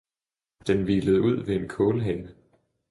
Den hvilede ud ved en kålhave.